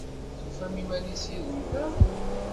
Tufa iman-is yid-nteɣ?